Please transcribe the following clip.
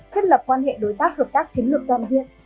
thiết lập quan hệ đối tác hợp tác chiến lược toàn diện